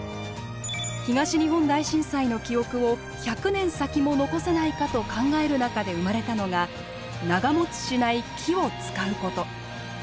東日本大震災の記憶を１００年先も残せないかと考える中で生まれたのが長もちしない木を使うこと。